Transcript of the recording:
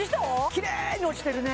きれいに落ちてるね